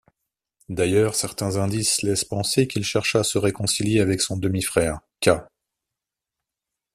D'ailleurs, certains indices laissent penser qu'il chercha à se réconcilier avec son demi-frère, Qâ.